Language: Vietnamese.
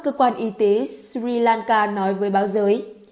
cơ quan y tế sri lanka nói với báo giới